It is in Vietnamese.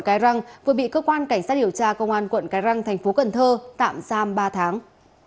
cái răng vừa bị cơ quan cảnh sát điều tra công an quận cái răng thành phố cần thơ tạm giam ba tháng